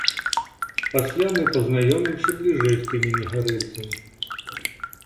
Пасля мы пазнаёмімся бліжэй з тымі негарэльцамі.